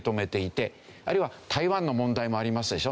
あるいは台湾の問題もありますでしょ。